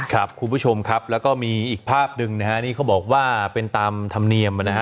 ครับคุณผู้ชมครับแล้วก็มีอีกภาพหนึ่งนะฮะนี่เขาบอกว่าเป็นตามธรรมเนียมนะฮะ